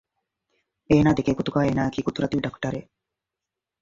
އޭނާ ދެކޭ ގޮތުގައި އޭނާއަކީ ގުދުރަތީ ޑަކުޓަރެއް